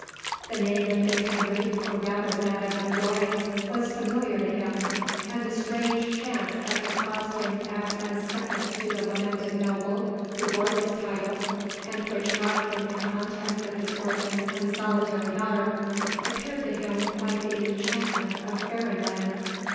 The name of Fitzhenry, or rather that of Lodore, was familiar to him ; and the strange chance that had caused him to act as second to the lamented noble who bore this title, and which brought him in contact with his orphan and solitary daughter, appeared to him like the en chantment of fairy land.